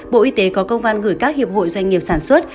bộ y tế có công văn gửi các hiệp hội doanh nghiệp sản xuất